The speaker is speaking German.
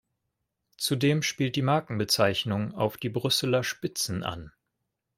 Zudem spielt die Markenbezeichnung auf die Brüsseler Spitzen an.